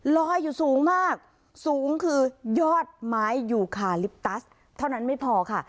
ลอยอยู่สูงมากสูงคือยอดไม้ยูคาลิปตัสเท่านั้นไม่พอค่ะ